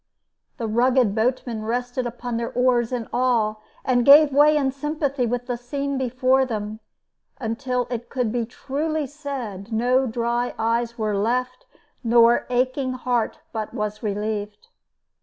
The rugged boatmen rested upon their oars in awe, and gave way in sympathy with the scene before them, until it could be truly said no dry eyes were left nor aching heart but was relieved.